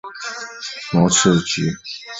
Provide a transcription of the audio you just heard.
毛脉翅果菊是菊科翅果菊属的植物。